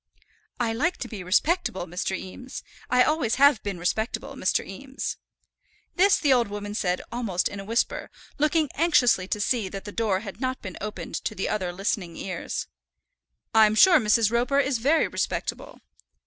"I like to be respectable, Mr. Eames. I always have been respectable, Mr. Eames." This the old woman said almost in a whisper, looking anxiously to see that the door had not been opened to other listening ears. "I'm sure Mrs. Roper is very respectable."